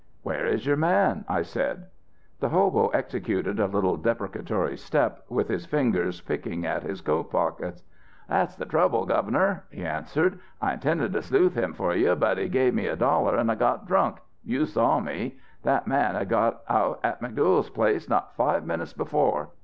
"'Where is your man?' I said. "The hobo executed a little deprecatory step, with his fingers picking at his coat pockets. "'That's the trouble, Governor,' he answered; 'I intended to sleuth him for you, but he give me a dollar and I got drunk ... you saw me. That man had got out at McDuyal's place not five minutes before.